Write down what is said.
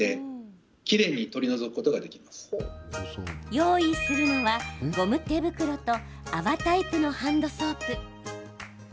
用意するのは、ゴム手袋と泡タイプのハンドソープ。